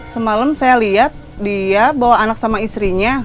semalam saya lihat dia bawa anak sama istrinya